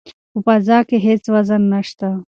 په فضا کې هیڅ وزن نشته.